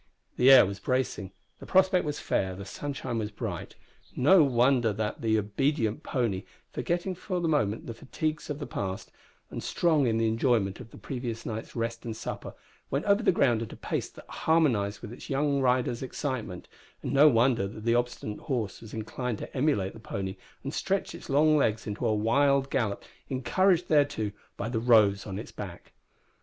The air was bracing, the prospect was fair, the sunshine was bright. No wonder that the obedient pony, forgetting for the moment the fatigues of the past, and strong in the enjoyment of the previous night's rest and supper, went over the ground at a pace that harmonised with its young rider's excitement; and no wonder that the obstinate horse was inclined to emulate the pony, and stretched its long legs into a wild gallop, encouraged thereto by the Rose on its back.